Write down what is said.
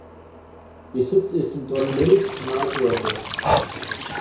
Ihr Sitz ist in Don Mills nahe Toronto.